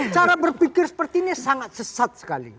cara berpikir seperti ini sangat sesat sekali